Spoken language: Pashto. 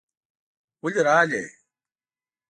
ولې راغلې؟